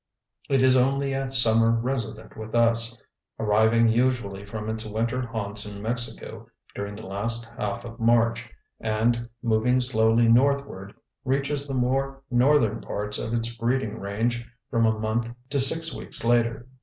It is only a summer resident with us, arriving usually from its winter haunts in Mexico during the last half of March and, moving slowly northward, reaches the more northern parts of its breeding range from a month to six weeks later.